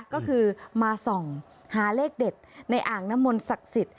ก็คือมาส่องหาเลขเด็ดในอ่างน้ำมนต์ศักดิ์สิทธิ